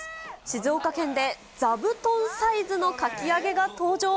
静岡県で座布団サイズのかき揚げが登場。